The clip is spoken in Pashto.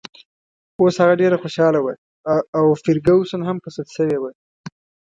اوس هغه ډېره خوشحاله وه او فرګوسن هم په سد شوې وه.